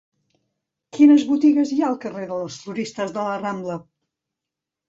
Quines botigues hi ha al carrer de les Floristes de la Rambla?